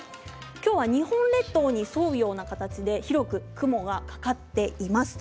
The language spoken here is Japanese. きょうは日本列島に沿うような形で広く雲がかかっています。